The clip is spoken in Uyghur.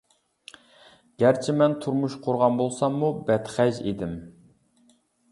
گەرچە مەن تۇرمۇش قۇرغان بولساممۇ بەتخەج ئىدىم.